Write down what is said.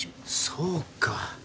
そうか。